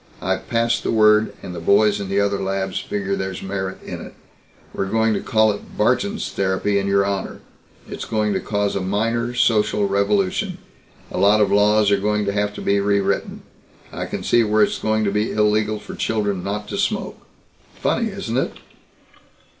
I've passed the word and the boys in the other labs figure that there's merit in it. We're going to call it Barton's Therapy in your honor. It's going to cause a minor social revolution. A lot of laws are going to have to be rewritten. I can see where it's going to be illegal for children not to smoke. Funny, isn't it?